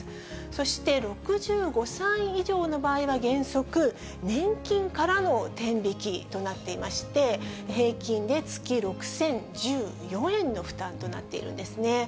そして６５歳以上の場合は原則、年金からの天引きとなっていまして、平均で月６０１４円の負担となっているんですね。